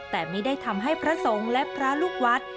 แต่ไม่ได้ทำให้พระสงฆ์และพระลูกวัด